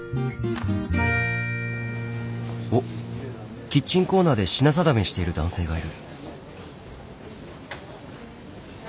おっキッチンコーナーで品定めしている男性がいる。